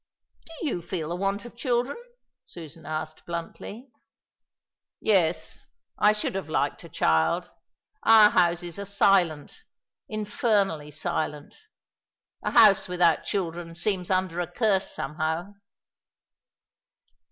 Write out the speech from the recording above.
"Do you feel the want of children?" Susan asked bluntly. "Yes. I should have liked a child. Our houses are silent infernally silent. A house without children seems under a curse, somehow."